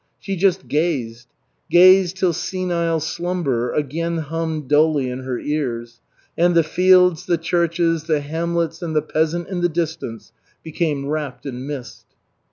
She just gazed, gazed till senile slumber again hummed dully in her ears, and the fields, the churches, the hamlets and the peasant in the distance became wrapped in mist.